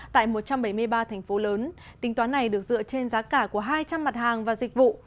tại một trăm bảy mươi ba thành phố lớn tính toán này được dựa trên giá cả của hai trăm linh mặt hàng và dịch vụ